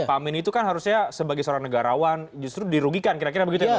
pak amin itu kan harusnya sebagai seorang negarawan justru dirugikan kira kira begitu ya